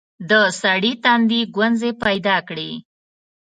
د سړي تندي ګونځې پيداکړې.